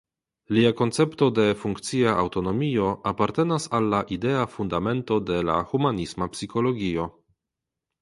Lia koncepto de "funkcia aŭtonomio" apartenas al la idea fundamento de la humanisma psikologio.